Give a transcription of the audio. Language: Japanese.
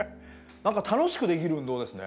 何か楽しくできる運動ですね。